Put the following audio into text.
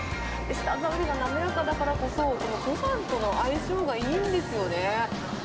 舌触りが滑らかだからこそ、ごはんとの相性がいいんですよね。